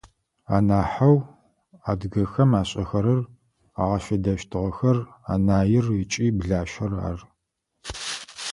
Анахьэу адыгэхэм ашӏэхэрэр, агъэфедэщтыгъэхэр анаир ыкӏи блащэр ары.